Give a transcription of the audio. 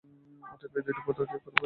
অতএব ঐ দুটি পরিত্যাগ করিবে।